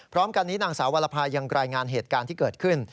พร้อมกันนี้นางสาววรภายังรายงานเหตุการณ์ที่เกิดขึ้น